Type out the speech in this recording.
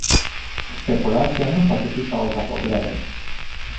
Speculația nu poate fi cauza problemei.